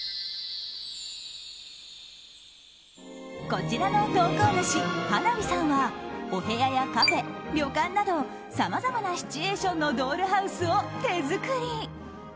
こちらの投稿主Ｈａｎａｖｉさんはお部屋やカフェ、旅館などさまざまなシチュエーションのドールハウスを手作り。